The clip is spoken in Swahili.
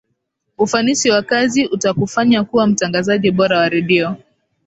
ufanisi wa kazi utakufanya kuwa mtangazaji bora wa redio